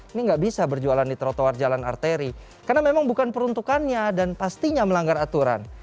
ini nggak bisa berjualan di trotoar jalan arteri karena memang bukan peruntukannya dan pastinya melanggar aturan